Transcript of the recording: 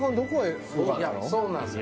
そうなんすよ